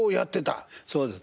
そうです。